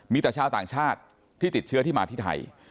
มีแต่ชาวต่างชาติที่ติดเชื้อที่มาที่ไทย